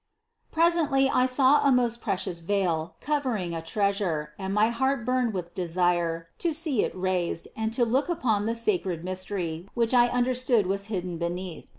5. Presently I saw a most precious veil covering a treasure and my heart burned with desire to see it raised and to look upon the sacred mystery which I understood was hidden beneath.